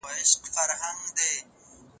ایا دا کوچنی هلک به بیا په انا باندې باور وکړي؟